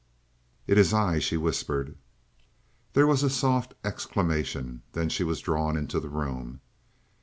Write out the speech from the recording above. "It is I," she whispered. There was a soft exclamation, then she was drawn into the room.